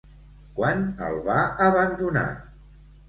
Quan el va abandonar?